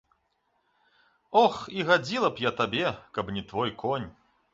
Ох і гадзіла б я табе, каб не твой конь.